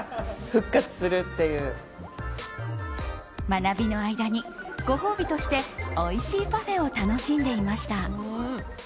学びの間に、ご褒美としておいしいパフェを楽しんでいました。